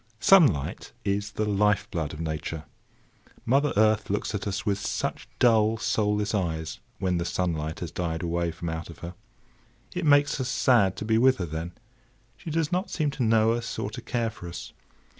Sunlight is the life blood of Nature. Mother Earth looks at us with such dull, soulless eyes, when the sunlight has died away from out of her. It makes us sad to be with her then; she does not seem to know us or to care for us.